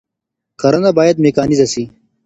کرنه بايد ميکانيزه سي.